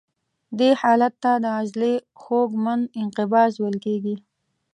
دې حالت ته د عضلې خوږمن انقباض ویل کېږي.